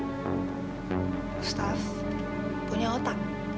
gustaf punya otak